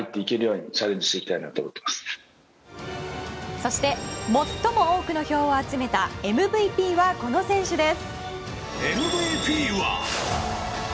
そして最も多くの票を集めたＭＶＰはこの選手です。